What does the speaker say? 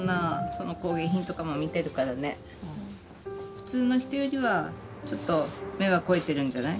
普通の人よりはちょっと目は肥えてるんじゃない？